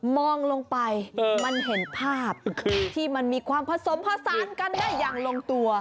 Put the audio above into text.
มองลงไปมันเห็นภาพที่มันมีความผสมผสานกันได้อย่างลงตัว